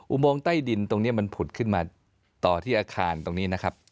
อุโมงใต้ดินตรงนี้มันผุดขึ้นมาต่อที่อาคารตรงนี้นะครับ